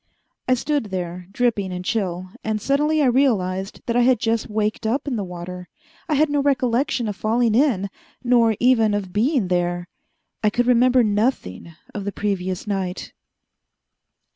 I stood there, dripping and chill, and suddenly I realized that I had just waked up in the water. I had no recollection of falling in, nor even of being there. I could remember nothing of the previous night.